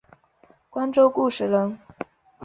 光州固始人。